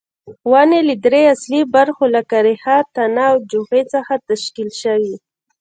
ونې له درې اصلي برخو لکه ریښه، تنه او جوغې څخه تشکیل شوې.